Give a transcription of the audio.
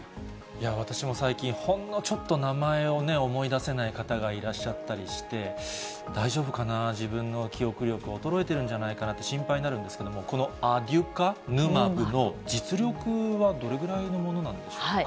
私も最近、ほんのちょっと名前をね、思い出せない方がいらっしゃったりして、大丈夫かな、自分の記憶力、衰えてるんじゃないかなって心配になるんですけど、このアデュカヌマブの実力はどれぐらいのものなんでしょうか？